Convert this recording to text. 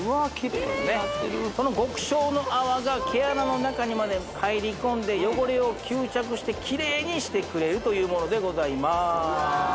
綺麗になってるその極小の泡が毛穴の中にまで入り込んで汚れを吸着して綺麗にしてくれるというものでございます